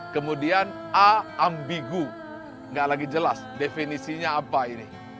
kemudian a ambigu nggak lagi jelas definisinya apa ini